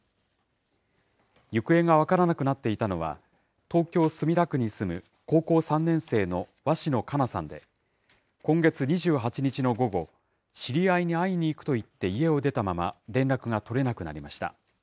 行方が分からなくなっていたのは、東京・墨田区に住む高校３年生の鷲野花夏さんで、今月２８日の午後、知り合いに会いに行くと言って家を出たまま連絡が取れなくなりました。